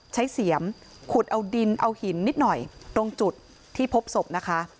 เสียมขุดเอาดินเอาหินนิดหน่อยตรงจุดที่พบศพนะคะ